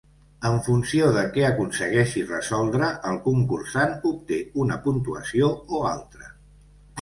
En funció de què aconsegueixi resoldre, el concursant obté una puntuació o altra.